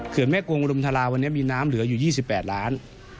แม่กงรุมทราวันนี้มีน้ำเหลืออยู่๒๘ล้าน